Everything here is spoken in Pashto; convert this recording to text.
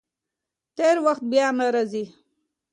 تېر وخت بیا نه راځي.